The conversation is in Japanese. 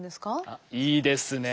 あっいいですね。